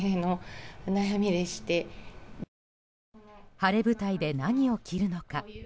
晴れ舞台で何を着るのか。